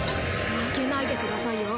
負けないでくださいよ。